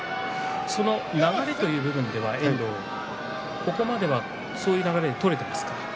その流れという部分では遠藤ここまでは、そういう流れで取れていますか？